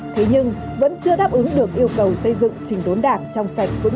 thế nhưng vẫn chưa đáp ứng được yêu cầu xây dựng trình đốn đảng